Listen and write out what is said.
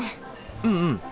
うんうん。